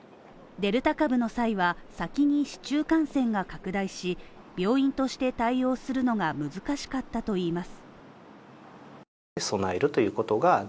デルタ株の際は、先に市中感染が拡大し、病院として対応するのが難しかったといいます。